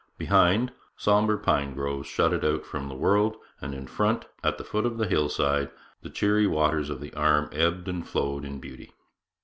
Behind, sombre pine groves shut it out from the world, and in front, at the foot of the hillside, the cheery waters of the 'Arm' ebbed and flowed in beauty.